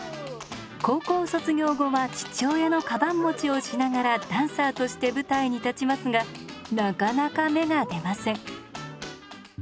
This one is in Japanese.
高校卒業後は父親のかばん持ちをしながらダンサーとして舞台に立ちますがなかなか芽が出ません。